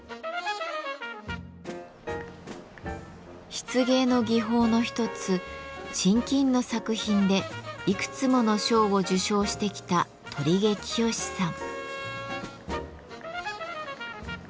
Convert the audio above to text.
漆芸の技法の一つ沈金の作品でいくつもの賞を受賞してきた鳥毛清さん。